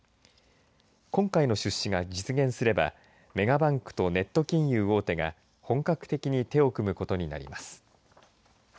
今回の出資が実現すればメガバンクとネット金融大手が本格的に手を組むことになります。